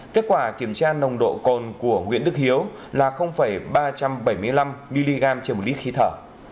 kết quả kiểm tra nồng độ cồn của nguyễn đức hiếu là ba trăm bảy mươi năm mg trên một lít khí thở